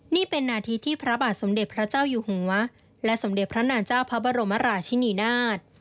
นี่เป็นนาทีที่พระบาทสมเด็จพระเจ้าอยู่หัวและสมเด็จพระนางเจ้าพระบรมราชินีนาฏ